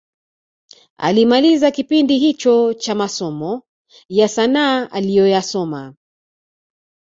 Alimaliza kipindi hicho cha masomo ya sanaa aliyoyasoma